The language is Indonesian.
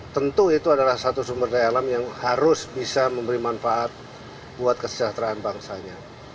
tentu itu adalah satu sumber daya alam yang harus bisa memberi manfaat buat kesejahteraan bangsanya